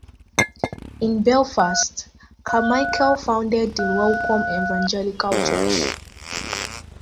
In Belfast, Carmichael founded the Welcome Evangelical Church.